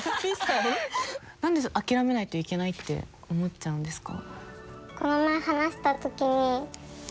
何で諦めないといけないって思っちゃうんですか？